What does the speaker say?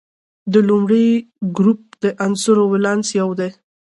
د لومړي ګروپ د عنصرونو ولانس یو دی.